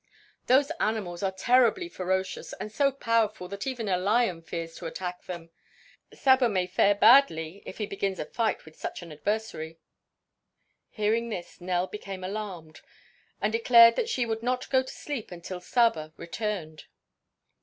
"Those animals are terribly ferocious and so powerful that even a lion fears to attack them. Saba may fare badly if he begins a fight with such an adversary." Hearing this Nell became alarmed and declared that she would not go to sleep until Saba returned.